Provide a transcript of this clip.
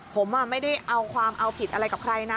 ผมไม่ได้เอาความเอาผิดอะไรกับใครนะ